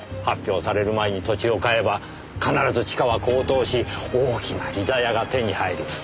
発表される前に土地を買えば必ず地価は高騰し大きな利ざやが手に入る。